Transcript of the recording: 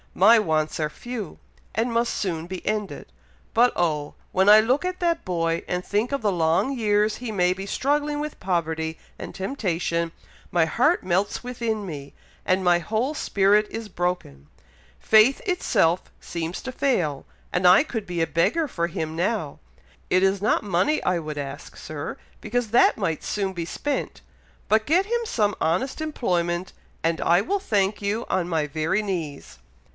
My wants are few, and must soon be ended. But oh! when I look at that boy, and think of the long years he may be struggling with poverty and temptation, my heart melts within me, and my whole spirit is broken. Faith itself seems to fail, and I could be a beggar for him now! It is not money I would ask, Sir, because that might soon be spent; but get him some honest employment, and I will thank you on my very knees."